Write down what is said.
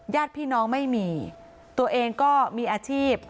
ญาติพี่น้องไม่มีตัวเองก็มีอาชีพ